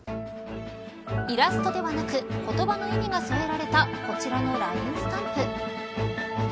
イラストではなく言葉の意味が添えられたこちらのＬＩＮＥスタンプ。